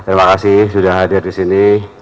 terima kasih sudah hadir di sini